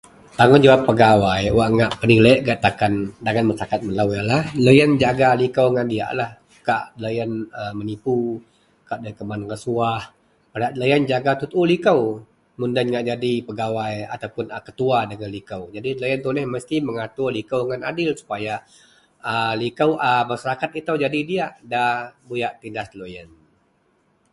Tanggungjawab pegawai wak ngak peniliek gak dagen takan dagen takan melo iyenlah loyen jaga liko diyak, kak loyen menipu kak keman rasuwah, padak loyen jaga tuo liko mun loyen ngak jadi pegawai a ketua dagen liko, jadi loyen tuneh mesti mengatur liko jegum adil supayioa a liko, a liko a masyarakat jadi diyak nda buyak tindas loyen.